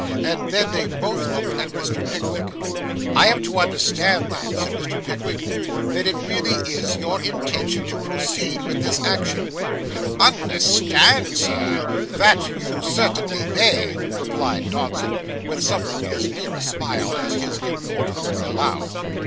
And then they both looked at Mr. Pickwick. 'I am to understand, then,' said Mr. Pickwick, 'that it really is your intention to proceed with this action?' 'Understand, sir! that you certainly may,' replied Dodson, with something as near a smile as his importance would allow.